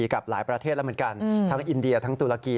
กับหลายประเทศแล้วเหมือนกันทั้งอินเดียทั้งตุรกี